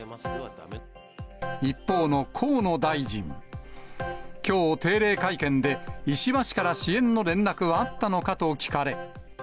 一方の河野大臣、きょう、定例会見で石破氏から支援の連絡はあったのかと聞かれ。